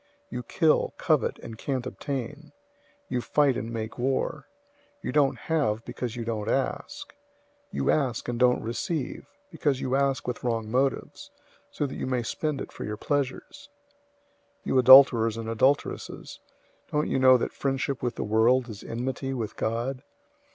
You kill, covet, and can't obtain. You fight and make war. You don't have, because you don't ask. 004:003 You ask, and don't receive, because you ask with wrong motives, so that you may spend it for your pleasures. 004:004 You adulterers and adulteresses, don't you know that friendship with the world is enmity with God?